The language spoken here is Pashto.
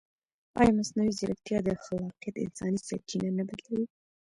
ایا مصنوعي ځیرکتیا د خلاقیت انساني سرچینه نه بدلوي؟